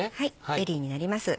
ベリーになります。